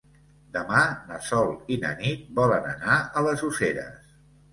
Demà na Sol i na Nit volen anar a les Useres.